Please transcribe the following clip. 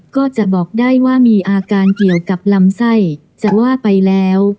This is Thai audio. ก็จะบอกได้ว่ามีอาการเกี่ยวกับลำไส้จะว่าไปแล้ว